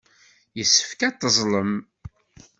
Yessefk ad teẓẓlem.